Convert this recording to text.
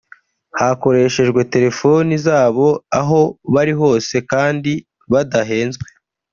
hakoreshejwe telefoni zabo aho bari hose kandi badahenzwe